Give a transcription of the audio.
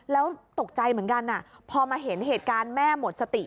แล้วตกใจเหมือนกันพอมาเห็นเหตุการณ์แม่หมดสติ